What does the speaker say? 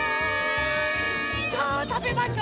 さあたべましょ。